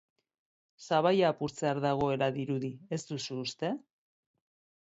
Sabaia apurtzear dagoela dirudi, ez duzu uste?